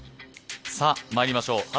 さあまいりましょう。